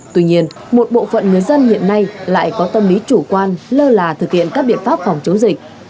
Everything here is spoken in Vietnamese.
tuy nhiên một bộ phận người dân hiện nay lại có tâm lý chủ quan lơ là thực hiện các biện pháp phòng chống dịch